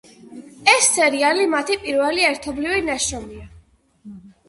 ეს სერიალი მათი პირველი ერთობლივი ნაშრომია.